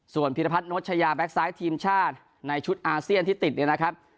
ส่วนพิรพัฒน์โน้ตชายาแบ็คไซต์ทีมชาติในชุดอาเซียนที่ติดเองนะครับ